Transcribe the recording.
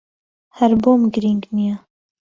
ھەر بۆم گرنگ نییە.